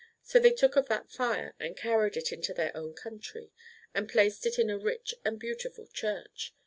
So they took of that fire, and carried it into their own country, and placed it in a rich and beautiful church.